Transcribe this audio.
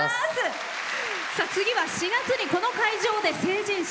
次は４月に、この会場で成人式。